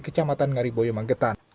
kecamatan ngariboyo magetan